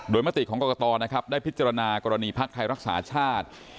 มติของกรกตนะครับได้พิจารณากรณีภักดิ์ไทยรักษาชาติ